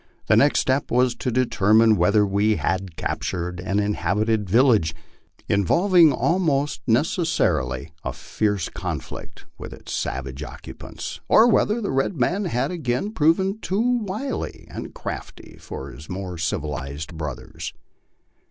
The next step was to determine whether we had captured an inhabited village, involving almost necessarily a fierce conflict with its savage occupants, or whether the red man had again proven too wily and crafty for his more civilized brothers.